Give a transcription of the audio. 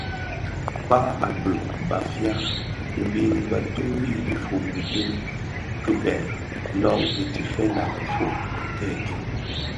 Kpag a bheg Bafia mbiň bè toňi dhifombi di kibèè löň itèfèna kifög kèèkin,